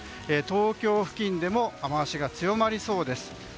東京付近でも雨脚が強まりそうです。